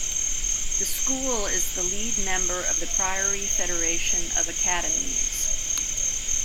The school is the lead member of The Priory Federation of Academies.